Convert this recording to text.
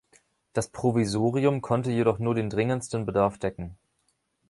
Das Provisorium konnte jedoch nur den dringendsten Bedarf decken.